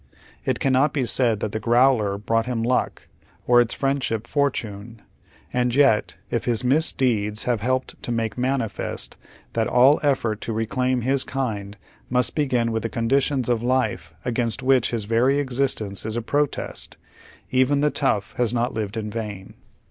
It cannot be said that the " growler " brought him luck, or its friendship fort une. And yet, if his misdeeds have helped to make man ifest that all effort to reclaim his kind must begin with the conditions of life against which his very existence is en the tough has not lived in vain.